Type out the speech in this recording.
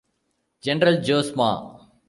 General Jose Ma.